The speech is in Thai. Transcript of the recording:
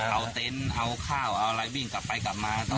เอาเต็นต์เอาข้าวเอาอะไรวิ่งกลับไปกลับมา